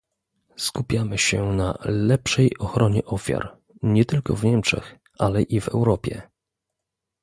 Skupiamy się na lepszej ochronie ofiar, nie tylko w Niemczech, ale i w Europie